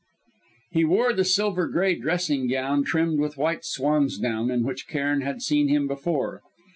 He wore the silver grey dressing gown trimmed with white swansdown in which Cairn had seen him before.